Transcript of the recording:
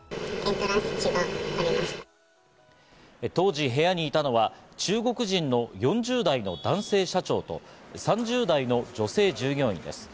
当時、部屋にいたのは中国人の４０代の男性社長と３０代の女性従業員です。